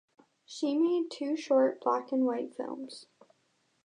She made two short black and white films.